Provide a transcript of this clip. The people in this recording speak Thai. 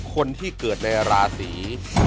คนที่เกิดในราศี